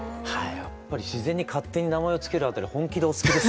やっぱり自然に勝手に名前を付ける辺り本気でお好きですね。